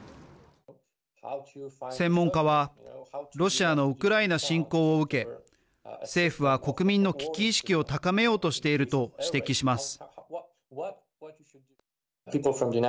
専門家はロシアのウクライナ侵攻を受け政府は国民の危機意識を高めようとしていると指摘します。